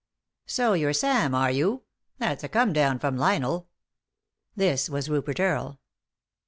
" So you're Sam, are you ? That's a come down from Lionel." This was Rupert Earle.